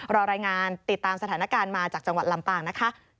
รายงานติดตามสถานการณ์มาจากจังหวัดลำปางนะคะ